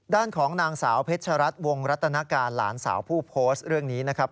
ด้านของนางสาวเพชรัตน์วงรัตนาการหลานสาวผู้โพสต์เรื่องนี้นะครับ